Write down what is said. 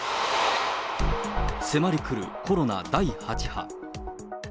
迫り来るコロナ第８波。